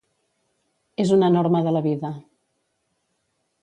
És una norma de la vida.